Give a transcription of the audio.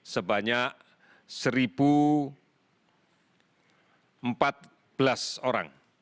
sebanyak satu empat belas orang